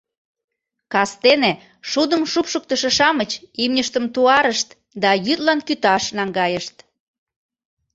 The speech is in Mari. Кастене шудым шупшыктышо-шамыч имньыштым туарышт да йӱдлан кӱташ наҥгайышт.